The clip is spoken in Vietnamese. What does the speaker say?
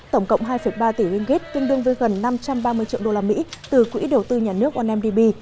tổng cộng hai ba tỷ ringgit tương đương với gần năm trăm ba mươi triệu đô la mỹ từ quỹ đầu tư nhà nước ondb